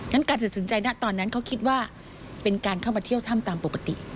การตัดสินใจณตอนนั้นเขาคิดว่าเป็นการเข้ามาเที่ยวถ้ำตามปกติ